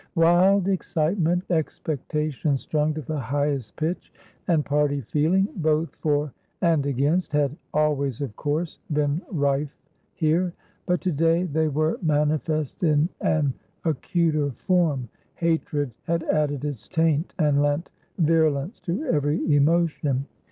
Wild excitement, expectation strung to the highest pitch, and party feeling, both for and against, had al ways, of course, been rife here; but to day they were manifest in an acuter form — hatred had added its taint and lent virulence to every emotion.